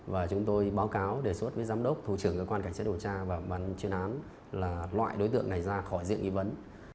và chúng tôi báo cáo đề xuất với giám đốc thủ trưởng cơ quan cảnh sát điều tra và ban chuyên án là loại đối tượng này ra khỏi diện nghi vấn